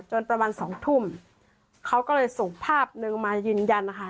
ประมาณสองทุ่มเขาก็เลยส่งภาพนึงมายืนยันนะคะ